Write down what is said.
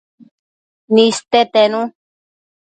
niste tenu